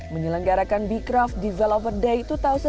menyelenggarakan becraft developer day dua ribu delapan belas